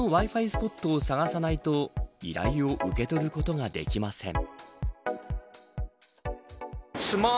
スポットを探さないと依頼を受け取ることができません。